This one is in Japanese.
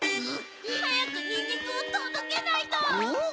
はやくにんにくをとどけないと！